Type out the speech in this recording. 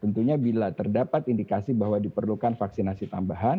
tentunya bila terdapat indikasi bahwa diperlukan vaksinasi tambahan